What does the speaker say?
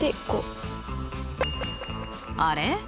あれ？